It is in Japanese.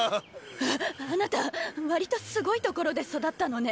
ああなた割とすごい所で育ったのね。